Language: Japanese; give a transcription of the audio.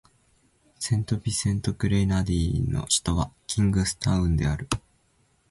セントビンセント・グレナディーンの首都はキングスタウンである